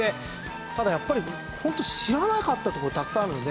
ただやっぱりホント知らなかったとこたくさんあるので。